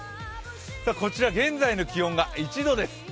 こちら現在の気温が１度です。